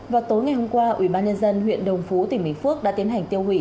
vào tối ngày hôm qua ubnd huyện đồng phú tỉnh bình phước đã tiến hành tiêu hủy